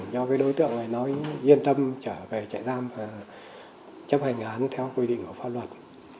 do cái đối tượng này nói yên tâm trở về trại giam và chấp hành án theo quy định của pháp luật